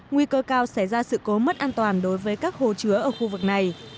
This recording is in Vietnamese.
nguy cơ cao xảy ra sự cố mất an toàn đối với các hồ chứa ở khu vực này